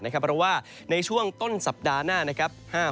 เพราะว่าในช่วงต้นสัปดาห์หน้านะครับ